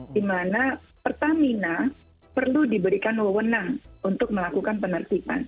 dimana pertamina perlu diberikan wawonan untuk melakukan penertiban